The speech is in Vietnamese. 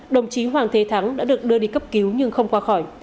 đồng chí hoàng thế thắng đã được đưa đi cấp cứu nhưng không qua khỏi